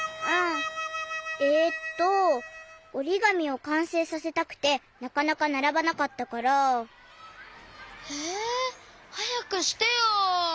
えっとおりがみをかんせいさせたくてなかなかならばなかったから。えはやくしてよ！